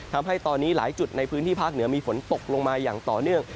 ทำให้ตอนนี้หลายจุดในพื้นที่ภาคเหนือมีฝนตกลงมาอย่างต่อเนื่อง